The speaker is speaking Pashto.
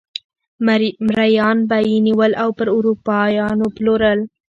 مریان به یې نیول او پر اروپایانو پلورل.